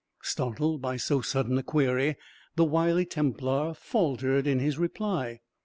Startled by so sudden a query, the wily Templar faltered in his reply.